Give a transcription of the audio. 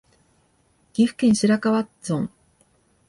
岐阜県白川村